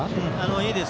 いいです。